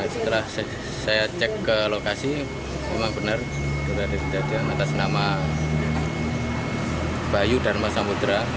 setelah saya cek ke lokasi memang benar ada di atas nama bayu dharma samudera